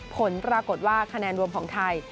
ผลปรากฏว่าคะแนนรวมของไทย